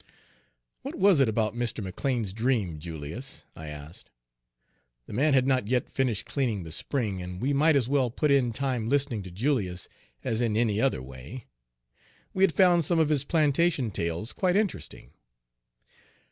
"What was it about Mr. McLean's dream, Julius?" I asked. The man had not yet finished cleaning the spring, and we might as well put in time listening to Julius as in any other way. We had found some of his plantation tales quite interesting.